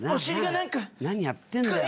何やってんだよ。